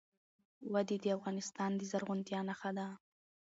وادي د افغانستان د زرغونتیا نښه ده.